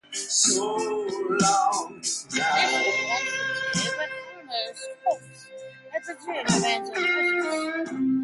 Lisa wants the tea but Homer, scoffs at the tea and demands the antacids.